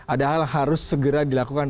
ada hal harus segera dilakukan